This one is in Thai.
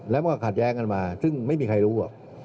แล้วมันก็ขัดแย้งกันมาซึ่งไม่มีใครรู้